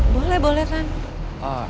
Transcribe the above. boleh boleh tante